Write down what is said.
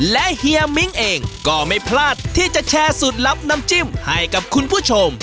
และเฮียมิ้งเองก็ไม่พลาดที่จะแชร์สูตรลับน้ำจิ้มให้กับคุณผู้ชม